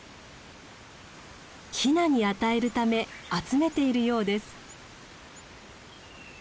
ヒナに与えるため集めているようです。